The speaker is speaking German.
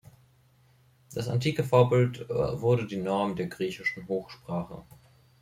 Das antike Vorbild wurde die Norm der griechischen Hochsprache.